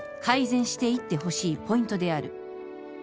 「改善していってほしいポイントである」